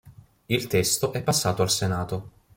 Il testo è passato al Senato.